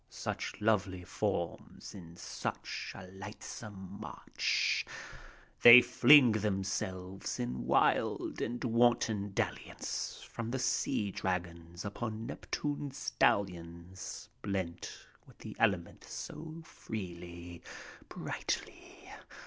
Such lovely forms, in such a lightsome march : They fling themseh^es, in wild and wanton dalliance, From the sea dragons upon Neptune's stallions, Blent with the element so freely, brightly.